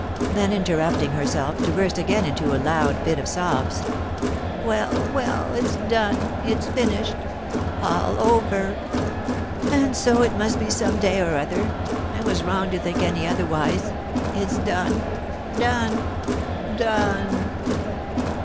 Then, interrupting herself, to burst again into a loud fit of sobs, "Well, well, it's done, it's finished, all over! And so it must be some day or other. I was wrong to think any otherwise. It's done done done!"